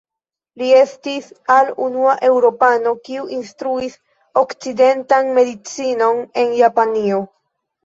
Li estis al unua eŭropano kiu instruis okcidentan medicinon en Japanio.